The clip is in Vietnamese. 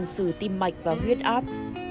nhân sự tiêm mạch và huyết áp